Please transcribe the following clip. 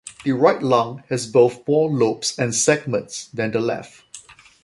The right lung has both more lobes and segments than the left.